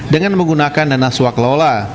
dengan menggunakan dana swak lola